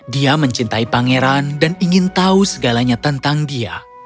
dia mencintai pangeran dan ingin tahu segalanya tentang dia